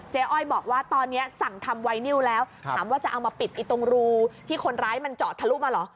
อ้อยบอกว่าตอนนี้สั่งทำไวนิวแล้วถามว่าจะเอามาปิดตรงรูที่คนร้ายมันเจาะทะลุมาเหรอ